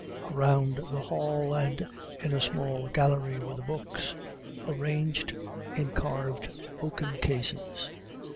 Around the hall and in a small gallery were the books, arranged in carved oaken cases.